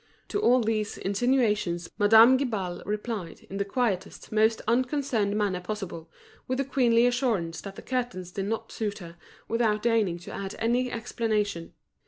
To all these insinuations Madame Guibal replied in the quietest, most unconcerned manner possible, with a queenly assurance that the curtains did not suit her, without deigning to add any explanation.